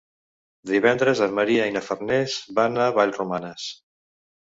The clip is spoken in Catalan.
Divendres en Maria i na Farners van a Vallromanes.